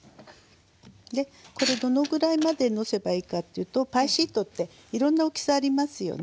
これどのぐらいまでのせばいいかっていうとパイシートっていろんな大きさありますよね。